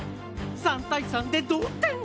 ３対３で同点。